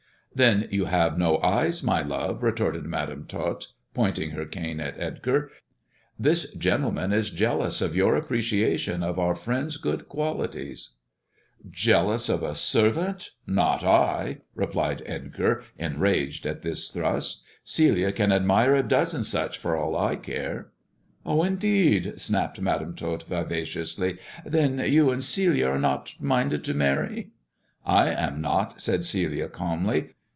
"Then you have no eyes, my love," retorted Madam Tot, pointing her cane at Edgar. "This gentleman is jealous of your appreciation of our friend's good qualities." 122 THE dwarf's chamber " Jealous of a servant ; not 1 1 " replied Edgar, enraged at this thrust. '* Celia can admire a dozen such for all I care/' " Oh, indeed !" snapped Madam Tot vivaciously. "Then you and Celia are not minded to marry V* " I am not," said Celia calmly.